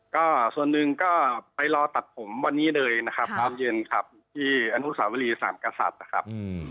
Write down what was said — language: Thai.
ก็ส่วนหนึ่งก็ไปรอตัดผมวันนี้เลยนะครับตอนเย็นครับที่อนุสาวรีสามกษัตริย์นะครับ